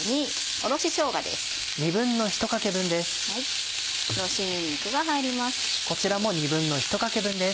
おろしにんにくが入ります。